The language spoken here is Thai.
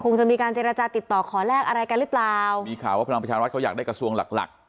จะมีการเจรจาติดต่อขอแลกอะไรกันหรือเปล่ามีข่าวว่าพลังประชารัฐเขาอยากได้กระทรวงหลักหลัก